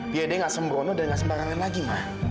biar dia gak sembrono dan gak sembarangan lagi ma